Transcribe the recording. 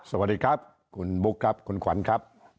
สวัสดีครับคุณบุ๊คครับคุณขวัญครับ